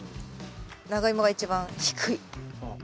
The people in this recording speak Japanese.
ナガイモが一番低い。